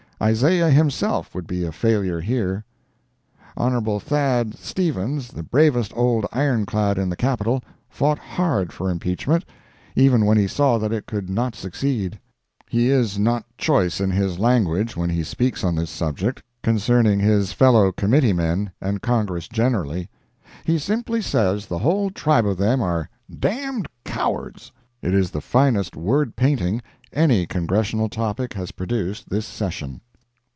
Isaiah himself would be a failure here. Hon. Thad. Stevens, the bravest old ironclad in the Capitol, fought hard for impeachment, even when he saw that it could not succeed. He is not choice in his language when he speaks on this subject, concerning his fellow committeemen and Congress generally. He simply says the whole tribe of them are "Damned Cowards." It is the finest word painting any Congressional topic has produced this session.